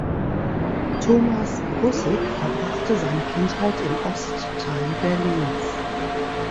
Thomas Brussig verbrachte seine Kindheit im Ostteil Berlins.